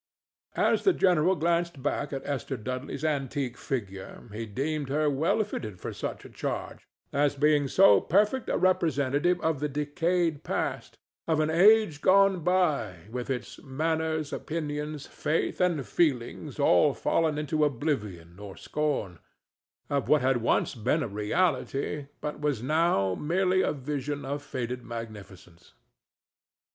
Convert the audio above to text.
As the general glanced back at Esther Dudley's antique figure he deemed her well fitted for such a charge, as being so perfect a representative of the decayed past—of an age gone by, with its manners, opinions, faith and feelings all fallen into oblivion or scorn, of what had once been a reality, but was now merely a vision of faded magnificence.